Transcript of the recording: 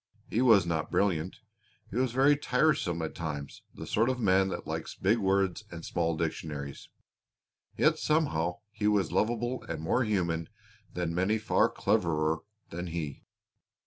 He was not brilliant; he was very tiresome at times, the sort of a man that likes big words and small dictionaries, yet somehow he was lovable and more human than many far cleverer than he.